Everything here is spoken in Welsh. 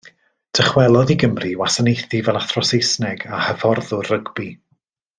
Dychwelodd i Gymru i wasanaethu fel athro Saesneg a hyfforddwr rygbi.